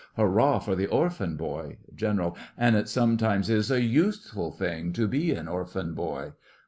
Hurrah for the orphan boy! GENERAL: And it sometimes is a useful thing To be an orphan boy.